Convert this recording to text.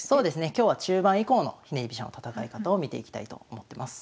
今日は中盤以降のひねり飛車の戦い方を見ていきたいと思ってます。